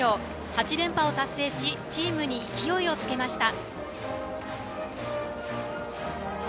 ８連覇を達成しチームに勢いをつけました。